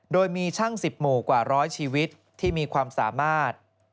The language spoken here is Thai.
โดยมีช่าง๑๐หมู่กว่าร้อยชีวิตที่มีความสามารถ